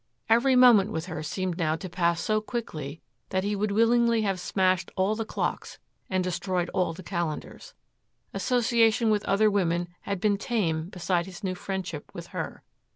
Every moment with her seemed now to pass so quickly that he would willingly have smashed all the clocks and destroyed all the calendars. Association with other women had been tame beside his new friendship with her.